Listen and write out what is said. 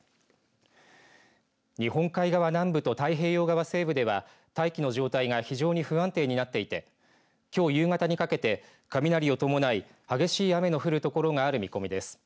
日本海側南部と太平洋側西部では大気の状態が非常に不安定になっていてきょう夕方にかけて雷を伴い激しい雨の降る所がある見込みです。